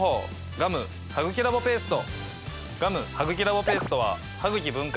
ガム・ハグキラボペースト！